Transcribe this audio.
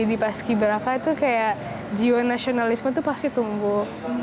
jadi pas kiberapa itu kayak jiwa nasionalisme itu pasti tumbuh